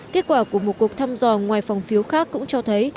kết quả của một cuộc thăm dò ngoài phòng phiếu khác cũng cho thấy